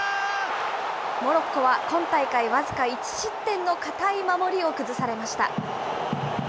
モロッコは今大会、僅か１失点の堅い守りを崩されました。